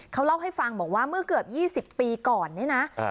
เขาเล่าให้ฟังบอกว่าเมื่อเกือบ๒๐ปีก่อนเนี่ยนะ